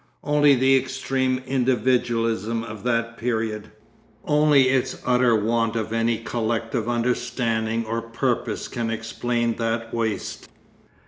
Only the extreme individualism of that period, only its utter want of any collective understanding or purpose can explain that waste.